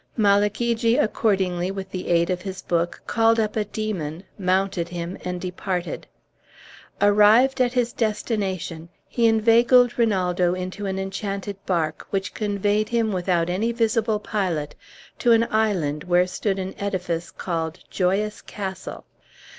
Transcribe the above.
Malagigi accordingly, with the aid of his book, called up a demon, mounted him, and departed. Arrived at his destination, he inveigled Rinaldo into an enchanted bark, which conveyed him, without any visible pilot, to an island where stood an edifice called Joyous Castle.